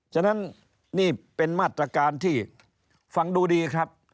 ฉะนั้นนี่เป็นมาตรการที่ฟังดูดีครับ